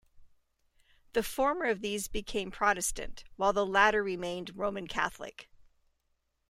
The former of these became Protestant, while the latter remained Roman Catholic.